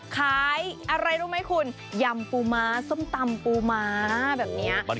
ขายอะไรรู้ไหมคุณยำปูม้าส้มตำปูม้าแบบนี้